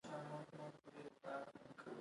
هغه غواړي کار او ټولنیز فعالیت ولري.